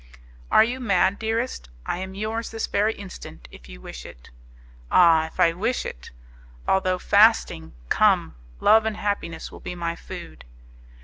"Are you mad, dearest? I am yours this very instant, if you wish it." "Ah! if I wish it! Although fasting, come! Love and happiness will be my food!"